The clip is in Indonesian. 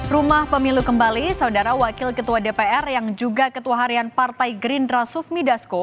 rumah pemilu kembali saudara wakil ketua dpr yang juga ketua harian partai gerindra sufmi dasko